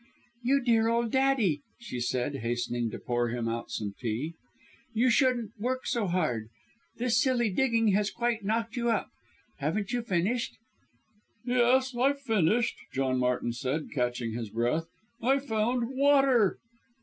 "You dear old Daddie!" she said, hastening to pour him out some tea, "you shouldn't work so hard this silly digging has quite knocked you up! Haven't you finished?" "Yes, I've finished!" John Martin said, catching his breath. "I've found water!"